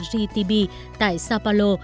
gtb tại sao paulo